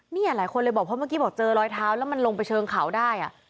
นี่หลายคนเลยบอกเพราะเมื่อกี้บอกเจอรอยเท้าแล้วมันลงไปเชิงเขาได้